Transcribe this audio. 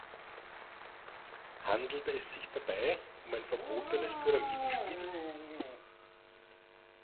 Handelt es sich dabei um ein verbotenes Pyramidenspiel?